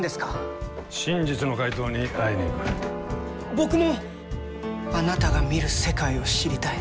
僕もあなたが見る世界を知りたい。